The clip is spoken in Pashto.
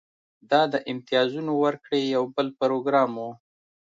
دا د امتیازونو ورکړې یو بل پروګرام و